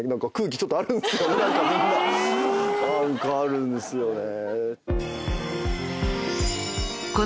何かあるんですよね。